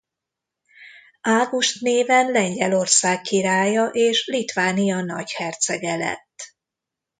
Ágost néven Lengyelország királya és Litvánia nagyhercege lett.